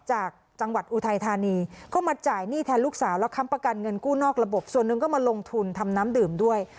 จากจังหวัดอุทัยธานีก็มาจ่ายหนี้แทนลูกสาวแล้วค้ำประกันเงินกู้นอกระบบส่วนหนึ่งก็มาลงทุนทำน้ำดื่มด้วย